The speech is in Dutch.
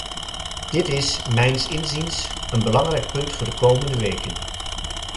Dit is mijns inziens een belangrijk punt voor de komende weken.